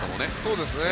そうですね。